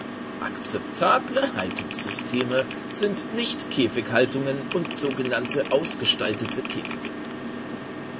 Akzeptable Haltungssysteme sind Nichtkäfighaltungen und sogenannte ausgestaltete Käfige.